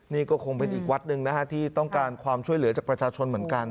นี่ก็คงเป็นอีกวัดหนึ่งนะฮะที่ต้องการความช่วยเหลือจากประชาชนเหมือนกัน